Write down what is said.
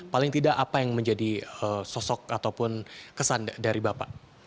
paling tidak apa yang menjadi sosok ataupun kesan dari bapak